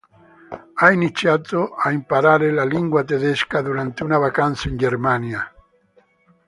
Ha iniziato a imparare la lingua tedesca durante una vacanza in Germania.